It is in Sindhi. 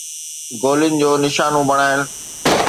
گولين جو نشانو بڻائڻ